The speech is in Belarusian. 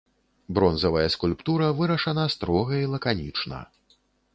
Бронзавая скульптура вырашана строга і лаканічна.